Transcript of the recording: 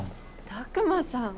琢磨さん。